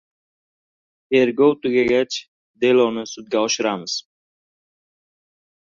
Tergov tugagach, deloni sudga oshiramiz.